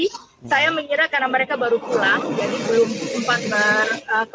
saya menyerah karena mereka baru pulang